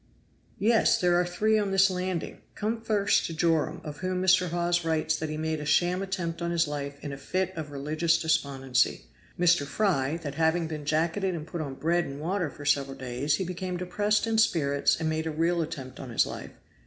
"Yes! there are three on this landing. Come first to Joram, of whom Mr. Hawes writes that he made a sham attempt on his life in a fit of religious despondency Mr. Fry, that having been jacketed and put on bread and water for several days, he became depressed in spirits and made a real attempt on his life.